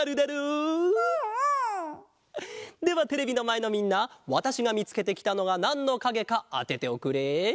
ではテレビのまえのみんなわたしがみつけてきたのがなんのかげかあてておくれ。